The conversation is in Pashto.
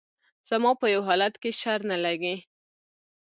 زما په يو حالت کښې شر نه لګي